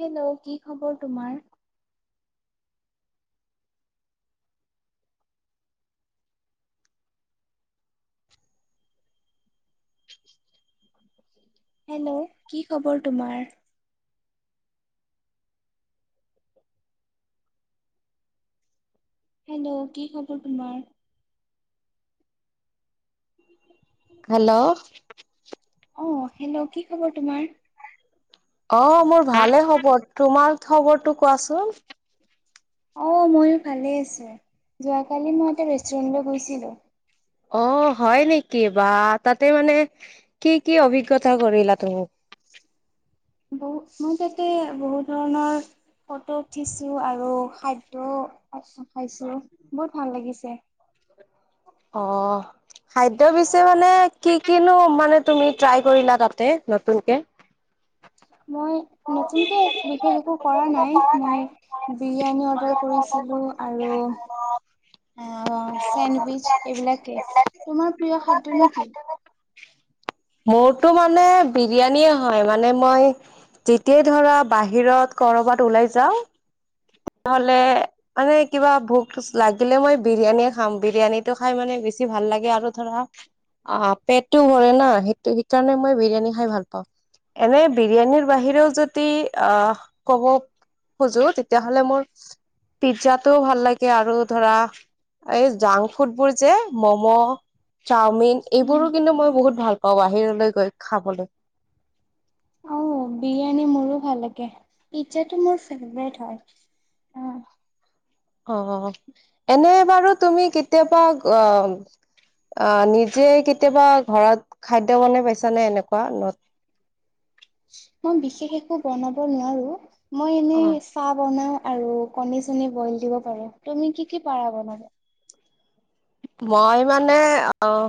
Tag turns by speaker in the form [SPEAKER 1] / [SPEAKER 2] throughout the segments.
[SPEAKER 1] Hello কি খবৰ তোমাৰ?
[SPEAKER 2] [unintelligible]
[SPEAKER 1] হেল্ল' কি খবৰ তোমাৰ? হেল্ল' কি খবৰ তোমাৰ?
[SPEAKER 2] হেল্ল'।
[SPEAKER 1] অ', হেল্ল' কি খবৰ তোমাৰ?
[SPEAKER 2] অ মোৰ। ভালে খবৰ, তোমাৰ খবৰ? টো কোৱাচোন?
[SPEAKER 1] অ', ময়ো ভালে আছো। যোৱাকালি মই এটা ৰেষ্টুৰেন্ট ল গৈছিলো।
[SPEAKER 2] অ', হয় নেকি বা তাতে মানে কি কি অভিজ্ঞতা কৰিলা তুমি?
[SPEAKER 1] বহু মই যাতে বহু ধৰণৰ ফটো উঠিছো, আৰু খাদ্য। খাইছো বহুত ভাল লাগিছে।
[SPEAKER 2] অ', খাদ্য পিছে মানে কি কিনো মানে তুমি ট্ৰাই কৰিলা তাতে নতুনকে?
[SPEAKER 1] মই নতুনকে বিশেষ একো কৰা নাই মই? বিৰিয়ানী অৰ্ডাৰ কৰিছিলো আৰু। অ', চেণ্ডউইচ এইবিলাকে। তোমাৰ প্ৰিয় খাদ্যনো কি?
[SPEAKER 2] মোৰতো মানে বিৰিয়ানী হয় মানে মই যেতিয়াই ধৰা বাহিৰত কৰবাত ওলাই যাও। তেতিয়াহলে, মানে কিবা ভোক লাগিলে মই বিৰিয়ানীয়ে খাম। বিৰিয়ানীটো খাই মানে বেছি ভাল লাগে আৰু ধৰা অ', পেটটো ভৰে না। সেইটো সেইকাৰণে মই বিৰিয়ানী খাই ভাল পাওঁ। এনে বিৰিয়ানীৰ বাহিৰেও যদি আহ কব খোজো তেতিয়া তেহলে মোৰ পিজ্জাটোও ভাল লাগে আৰু ধৰা এই জাংক ফুডবোৰ যে মম' চাওমিন
[SPEAKER 1] কি?
[SPEAKER 2] এইবোৰো কিন্তু মই বহুত ভাল পাওঁ বাহিৰলৈ গৈ খাবলৈ।
[SPEAKER 1] অ', বিৰিয়ানী মোৰো ভাল লাগে, পিজ্জাটো মোৰ ফেভৰেট হয়। আহ'।
[SPEAKER 2] অ', এনে। বাৰু তুমি কেতিয়াবা অ', নিজে কেতিয়াবা ঘৰত খাদ্য বনাই পাইছানে এনেকুৱা ন?
[SPEAKER 1] মই বিশেষ একো বনাব নোৱাৰো। মই এনেই
[SPEAKER 2] অ',
[SPEAKER 1] চাহ বনাও। আৰু কণী চনী বইল দিব পাৰো। তুমি কি কি পাৰা বনালে?
[SPEAKER 2] মই মানে অ',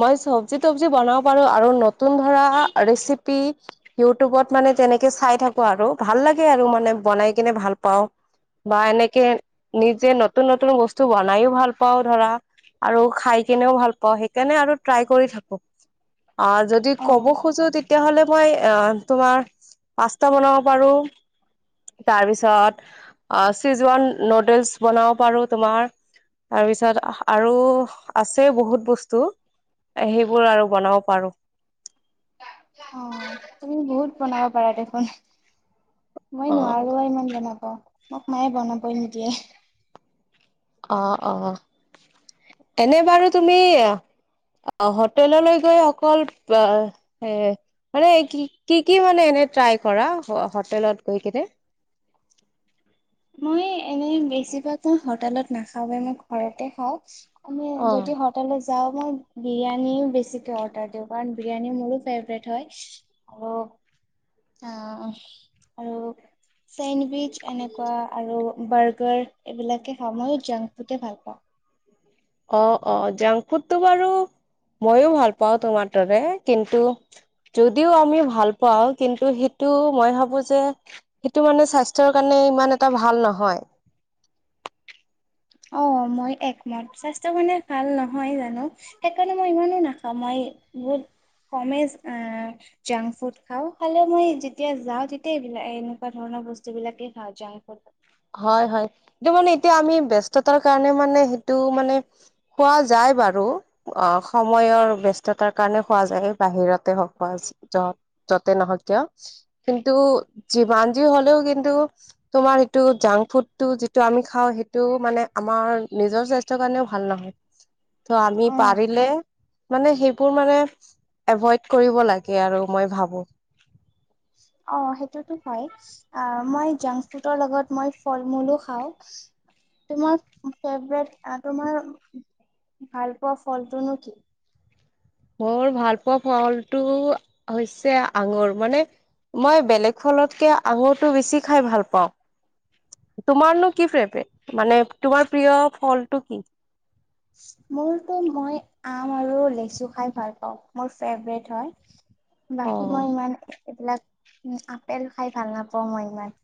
[SPEAKER 2] মই চব্জি তবজি বনাব পাৰো। আৰু নতুন ধৰা ৰেচিপি ইউটিউবত মানে তেনেকে চাই থাকো আৰু ভাল লাগে আৰু মানে বনাই কিনে ভাল পাওঁ, বা এনেকে নিজে নতুন নতুন বস্তু বনাইও ভাল পাওঁ। ধৰা খাই কেনেও ভাল পাওঁ, সেই কাৰনে ট্ৰাই কৰি থাকো। যদি কব
[SPEAKER 1] অ',
[SPEAKER 2] খোজো তেতিয়া হলে মই তোমাৰ পাষ্টা বনাব পাৰো, তাৰপিছত চীজউৱান নুডলছ বনাব পাৰো, তোমাৰ তাৰ পিছত। আৰু আছে বহুত বস্তু সেইবোৰ আৰু বনাব পাৰো।
[SPEAKER 1] অ', তুমি বহুত বনাব পাৰা দেখোন। মই
[SPEAKER 2] অ
[SPEAKER 1] নোৱাৰো ইমান বনাব। অ', মোক মায়ে বনাবই নিদিয়ে।
[SPEAKER 2] অ অ এনে বাৰু তুমি হোটেললৈ গৈ অকল মানে কি কি মান এ ট্ৰাই কৰা হোটেলত গৈ কিনে
[SPEAKER 1] মই এনে বেছিভাগ মই হোটেলত নাখাওে মই ঘৰতে খাওঁ আমি
[SPEAKER 2] অ
[SPEAKER 1] যদি হোটেল চাও মই বিৰিয়ানী বেছিকে অৰ্ডাৰ দিওঁ কাৰণ বিৰিয়ানী মোৰো ফেভৰেট হয় আৰু অ আৰু চেণ্ডউইচ এনেকুৱা আৰু বাৰ্গাৰ এইবিলাকে খাওঁ মই জাংক ফুডে ভাল পাওঁ
[SPEAKER 2] অ অ জাংক ফুডটো বাৰু মইো ভাল পাওঁ তোমাৰ দৰে কিন্তু যদিও আমি ভাল পাও কিন্তু সেইটো মই ভাবো যে সেইটো মানে স্বাস্থ্যৰ কাৰণে ইমান এটা ভাল নহয়
[SPEAKER 1] অ মই একমত স্বাস্থ্য কাৰণে ভাল নহয় জানো সেইকাৰণে মই ইমানো নাখাওঁ মই বহুত কমেই জাংক ফুড খাওঁ খালে মই যেতিয়া যাওঁ তেতিয়া এইবিলাক এনেকুৱা ধৰণৰ বস্তু বিলাকে খাওঁ জাংক ফুড
[SPEAKER 2] হয় হয় এইটো মানে এতিয়া আমি বস্ততাৰ কাৰণে মানে সেইটো মানে খোৱা যায় বাৰু অ সময়ৰ বস্ততাৰ কাৰণে খোৱা যায় বাহিৰতে হওক খোৱা য যতে নহওক কিয় কিন্তু যিমান যি হলেও কিন্তু তোমাৰ টো জাংক ফুডটো যিটো আমি খাওঁ সেইটো মানে আমাৰ নিজৰ স্বাস্থ্যৰ কাৰণেও ভাল নহয় ত আমি
[SPEAKER 1] অ
[SPEAKER 2] পাৰিলে মানে সেইবোৰ মানে এভইড কৰিব লাগে আৰু মই ভাবো
[SPEAKER 1] অ সেইটোতো হয় মই জাংক ফুডৰ লগত মই ফল মূলো খাওঁ তোমাৰ ফেব্ৰেত তোমাৰ ভাল পোৱা ফলটোনো কি
[SPEAKER 2] মোৰ ভাল পোৱা ফলটো হৈছে আঙুৰ মানে মই বেলেগ ফলতকে আঙুৰটো বেছি খাই ভাল পাওঁ তোমাৰনো কি ফেব্ৰেত মানে তোমাৰ প্ৰিয় ফল তু কি
[SPEAKER 1] মোৰতো মই আম আৰু লেচু খাই ভাল পাওঁ মোৰ ফেভৰেট হয়
[SPEAKER 2] অ
[SPEAKER 1] বাকী মই ইমান এইবিলাক উ আপেল খাই ভাল নাপাওঁ মই ইমান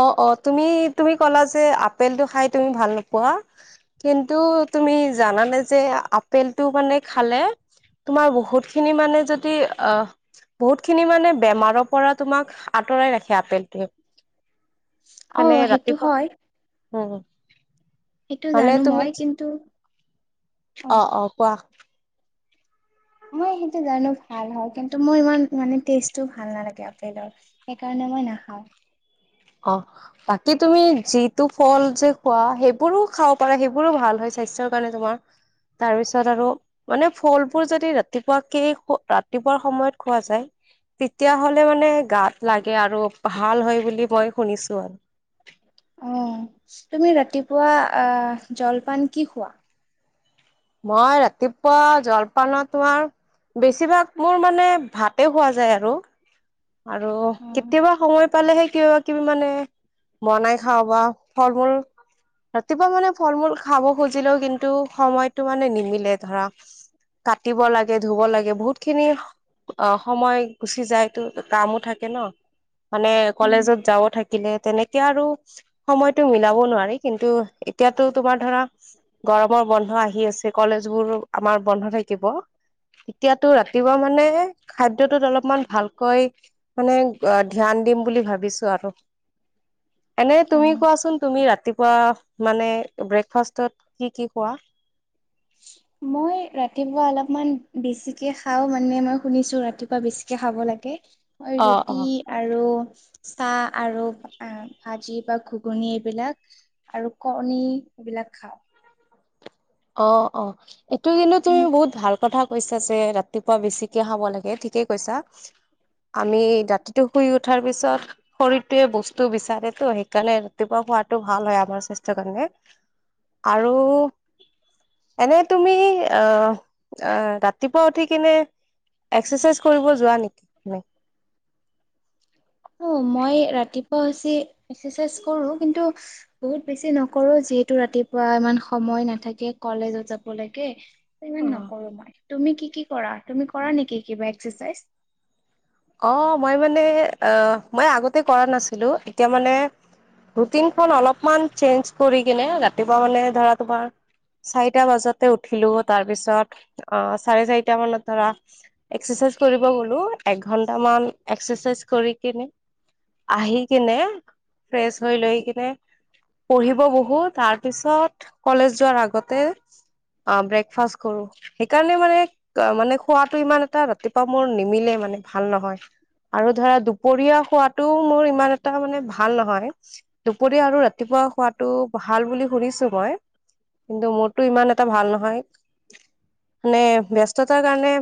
[SPEAKER 2] অ অ তুমি তুমি ক'লা যে আপেলটো খাই তুমি ভাল নোপোৱা কিন্তু তুমি জানানে যে আপেলটো মানে খালে তোমাৰ বহুতখিনি মানে যদি বহুতখিনি মানে বেমাৰৰ পৰা তোমাক আঁতৰাই ৰাখে আপেলটোৱে
[SPEAKER 1] অ
[SPEAKER 2] মানে
[SPEAKER 1] সেইটো
[SPEAKER 2] ৰাতিপুৱা
[SPEAKER 1] হয়
[SPEAKER 2] উম
[SPEAKER 1] সেইটো
[SPEAKER 2] মানে
[SPEAKER 1] জানো
[SPEAKER 2] তুমি
[SPEAKER 1] মই কিন্তু
[SPEAKER 2] অ অ কোৱা
[SPEAKER 1] মই সেইটো জানো ভাল হয় কিন্তু মোৰ ইমান মানে টেষ্ট ভাল নালাগে আপেলৰ সেইকাৰণে মই নাখাওঁ
[SPEAKER 2] অ বাকী তুমি যিটো ফল যে খোৱা সেইবোৰো খাব পাৰা সেইবোৰো ভাল হয় স্বাস্থ্যৰ কাৰণে তোমাৰ তাৰ পিছত আৰু মানে ফলবোৰ যদি ৰাতিপুৱাকেই ৰাতিপুৱা সময়ত খোৱা যায় তেতিয়াহলে মানে গাত লাগে আৰু ভাল হয় বুলি মই শুনিছোঁ আৰু
[SPEAKER 1] অ তুমি ৰাতিপুৱা আহ জলপান কি খোৱা
[SPEAKER 2] মই ৰাতিপুৱা জলপানত তোমাৰ বেছিভাগ মোৰ মানে ভাতে খোৱা যায় আৰু আৰু
[SPEAKER 1] অ
[SPEAKER 2] কেতিয়াবা সময় পালেহে কিবা কিবি মানে বনাই খাওঁ বা ফল মূল ৰাতিপুৱা মানে ফল মূল খাব খুজিলেও কিন্তু সময়ত টো মানে নিমিলে ধৰা কাটিব লাগে ধুব লাগে বহুত খিনি অ সময় গুচি যায় টো কামো থাকে ন মানে
[SPEAKER 1] উম
[SPEAKER 2] কলেজত যাব থাকিলে তেনেকে এতিয়া আৰু সময়তটো মিলাবও নোৱাৰি কিন্তু এতিয়াতো তোমাৰ ধৰা গৰমৰ বন্ধ আহি আহ আ কলেজ বোৰ আমাৰ বন্ধ থাকিব এতিয়াতো ৰাতিপুৱা মানে খাদ্যটোত অলপমান ভালকৈ মানে ধ্যান দিম বুলি ভাবিছো আৰু এনে তুমি
[SPEAKER 1] অ
[SPEAKER 2] কোৱাচোন তুমি ৰাতিপুৱা কোৱা মানে ব্ৰেকফাষ্টত কি কি কোৱা
[SPEAKER 1] মই ৰাতিপুৱা অলপমান বেছিকে খাও মানে মই শুনিছো ৰাতিপুৱা বেছিকে খাব লাগে মই
[SPEAKER 2] অ অ
[SPEAKER 1] ৰুটি আৰু,,, চা, হ আৰু ভাজি বা ঘুগুন এইবিলাক আৰু কণী এইবিলাক খাওঁ
[SPEAKER 2] অ অ [unintelligible] এইটো কিন্তু তোৰ তুবহুত ভাল কথা কৈছা যে ৰাতিপুৱা বেছিকে খাব লাগে ঠিকেই কৈছা আমি ৰাতিটো শুই উঠাৰ পিছত শৰীৰটোৱে বস্তু বিচাৰে তো সেইকাৰণে ৰাতিপুৱা শুৱাতটো ভাল হয় আমাৰ স্বাস্থ্য কাৰণে আৰু [unintelligible] এনে তুমি অ অ ৰাতিপুৱা উঠি কিনে একাইজ কৰিব যোৱা নেকি।
[SPEAKER 1] অ মই ৰাতিপুৱা হৈছেি এক্সাৰচাইজ কৰো কিন্তু বহুত বেছি নকৰো যিহেতু ৰাতিপুৱা ইমান সময় নাথাকে কলেজত যাব লাগে ইমান নকৰো মই তুমি কি কি কৰা তুমি কৰা নেকি কিবা এক্াৰচাই [unintelligible] [unintelligible]
[SPEAKER 2] অ', মই মানে অ', মই আগতে কৰা নাছিলোঁ, এতিয়া মানে ৰুটিনখন অলপমান চেঞ্জ কৰি কিনে ৰাতিপুৱা মানে ধৰা তোমাৰ, চাৰিটা বজাতে উঠিলোঁ, তাৰ পিছত, অ', চাৰে চাৰিটা মানত ধৰা এক্সেচাইজ কৰিব গ'লো একঘ ঘণ্টামান এক্সেৰচাইজ কৰি কিনে, আহি কিনে, ফ্ৰেছ হৈ লৈ কিনে পঢ়িব বহো, তাৰপিছত কলেজ যোৱাৰ আগতে অ', ব্ৰেকফাষ্ট কৰোঁ। সেইকাৰণে মানে, মানে খোৱাটো ইমান এটা ৰাতিপুৱা মোৰ নিম ভাল নহয়, আৰু ধৰা দুপৰীয়া খোৱাত টো মোৰ ইমান এটা মানে ভাল নহয়, দুপৰীয়া আৰু ৰাতিপুৱা খোৱাটো ভাল বুলি শুনিছো মই, কিন্তু মোৰতো ইমান এটা ভাল নহয়, নে ব্যস্ততাৰ কাৰণে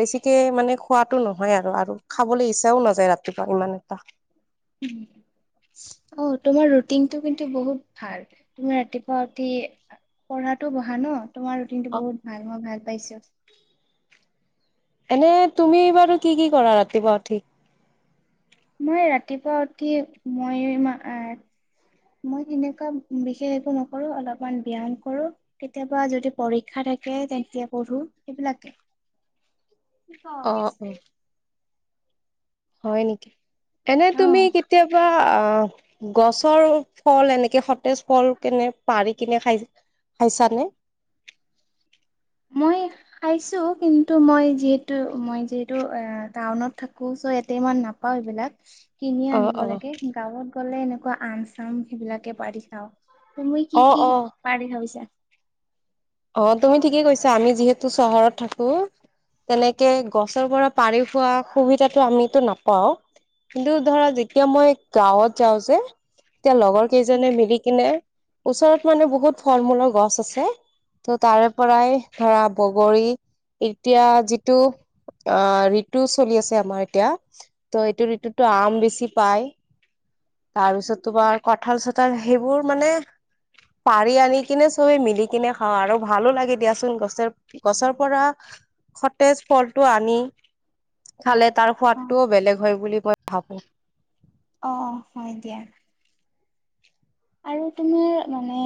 [SPEAKER 2] বেছিকে মানে খোৱাটো নহ নহয় আৰু-আৰু খাবলৈ ইচ্ছাও নাযায় ৰাতিপুৱা ইমান এটা।
[SPEAKER 1] অ', তোমাৰ ৰুটিনটো কিন্তু বহুত ভাল। তুমি ৰাতিপুৱা উঠি পঢ়াতটো বহা ন'। তোমৰ ৰুটিনটো
[SPEAKER 2] অ
[SPEAKER 1] বহুত ভাল অ' ভাল। পাইছোঁ।
[SPEAKER 2] এনেই তুমি বাৰু কি কি কৰা ৰাতিপুৱা উঠি?
[SPEAKER 1] মই ৰাতিপুৱা উঠি, মই অ', তেনেকুৱা বিশেষ একো নকৰোঁ, অলপমান ব্যায়াম কৰোঁ, কেতিয়াবা যদি পৰীক্ষা থাকে তেতিয়া পঢ়ো, সেইবিলাকেই।
[SPEAKER 2] অ অ
[SPEAKER 1] [unintelligible]
[SPEAKER 2] হয় নেকি, এনে
[SPEAKER 1] অ
[SPEAKER 2] তুমি কেতিয়াবা অ গছৰ ফল এনেকে সতেজ ফল কেনে পাৰি কিনে খাই খাইছানে [unintelligible]
[SPEAKER 1] মই আহিছোঁ। কিন্তু মই যিহেতু, মই যিহেতু এ টাউনত থাকো চ' ইয়াতে মই নাপাও এইবিলাক। কিনি
[SPEAKER 2] অ
[SPEAKER 1] আনিব
[SPEAKER 2] অ
[SPEAKER 1] লাগে গাঁৱত [inaudible] কলে, এনেকুৱা আম চাম সেইবিলাকে পাৰি খাওঁ। তুমি কি
[SPEAKER 2] অ
[SPEAKER 1] কি
[SPEAKER 2] অ
[SPEAKER 1] পাৰি ভাবিছা [unintelligible] [unintelligible]
[SPEAKER 2] অ' তুমি ঠিকেই কৈছা আমি যিহেতু চহৰত থাকো তেনেকে গছৰ পৰা পাৰি খোৱা সুবিধাতটো আমো নাপাও কিন্তু ধৰা যেতিয়া মই গাঁৱত যাওঁ যে এতিয়া লগৰ [unintelligible] কেইজনে মিলি কিনে, ওচৰত মানে বহুত ফল মূলৰ গছ পচ আছে ত তাৰে পৰাই ধৰা বগৰী এতিয়া যিটো আহ আমাৰ ইয়াতঋতু আম বেছি পাই তাৰপিছত তো বাৰ কঠাল চঠাল পাৰি আনি কিনে চবে মিলি কিনে [unintelligible] খা, আৰু ভালো লাগে দিয়াচোন গছৰ পৰা সতেজ ফলটো আনি খালে তাৰ
[SPEAKER 1] অ
[SPEAKER 2] সোৱাদটোও বেলেগ হয় বুলি মই ভাবো।
[SPEAKER 1] অ' অ 'অ 'এতিয়াা, আৰু তোমাৰ মানে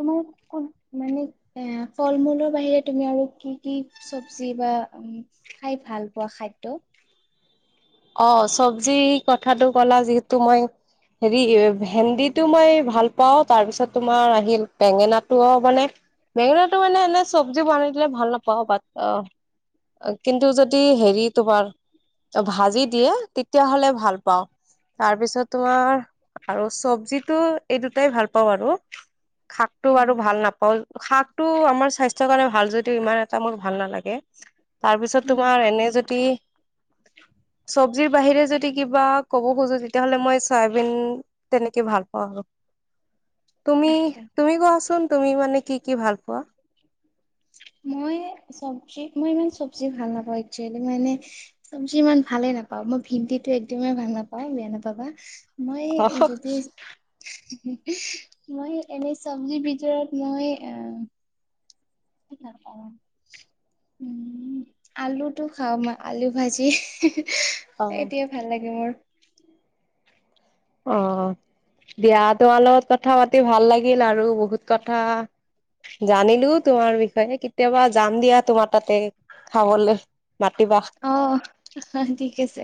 [SPEAKER 1] তোমাৰ কোন মানে এ ফল মূলৰ বাহিৰে তুমি আৰু কি কি চব্জি বা খাই ভাল পোৱা খাদ্যয় [unintelligible]
[SPEAKER 2] অ' চব্জি কথাটো কলা যিহেতু, মই হেৰি ভেন্দিটো ভাল পাওঁ তাৰপিছত তোমাৰ আহিল বেঙেনাটো মানে বেঙেনাটো মানে এনে চব্জি বনাই দিলে ভাল নাপাও। বাট অ কিন্তু যদি হেৰি তোমাৰ, ভাজি দিয়ে তেতিয়া হলে ভাল পাওঁ তাৰ পিছত তোমাৰ আৰু চব্জিটো। এই দুটাই ভাল পাওঁ আৰু, শাকটো আৰু
[SPEAKER 1] উম
[SPEAKER 2] ভাল নাপাওঁ। শাকটো আমাৰ স্বাস্থ্য ইচ কাৰণে ভাল যদিও ইমান এটা মোৰ ভাল নালাগে। তাৰ পিছত
[SPEAKER 1] উম
[SPEAKER 2] তোমাৰ এনে যদি, চব্জিৰ বাহিৰে যদি কিবা ক'ব খুজো। তেতিয়াহলে মই চয়াবিন তেনেকে ভাল পাওঁ আৰু তুমি
[SPEAKER 1] আচ্ছা
[SPEAKER 2] তুমি কোৱাচোন তুমি মানে কি কি ভাল পোৱা
[SPEAKER 1] মই চবজি মই ইমান চব্জি ভাল নাপাওঁ একচুৱেলি মানে চব্জি ইমান ভালে নাপাওঁ মই ভেন্দিটো একদমেই ভাল নাপাওঁ বেয়া নাপাবা মই
[SPEAKER 2] অ
[SPEAKER 1] যদি মই এনে চব্জিৰ ভিতৰত মই আহ উম আলুটো খা মই আলু ভাজি
[SPEAKER 2] অ
[SPEAKER 1] এতিয়া ভাল লাগে মোৰ
[SPEAKER 2] অ দিয়া তোমাৰ লগত কথা পাতি ভাল লাগিল আৰু বহুত কথা জানিলো তোমাৰ বিষয়ে কেতিয়াবা যাম দিয়া তোমাৰ তাতে খাবলৈ মাতিবা
[SPEAKER 1] অ ঠিক আছে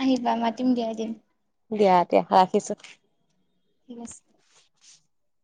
[SPEAKER 1] আহিবা মাতিম দিয়া ম
[SPEAKER 2] দিয়া দিয়া ৰাখিছো
[SPEAKER 1] ঠিক আছে
[SPEAKER 2] [unintelligible]